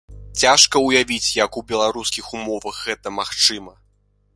Цяжка ўявіць, як у беларускіх умовах гэта магчыма.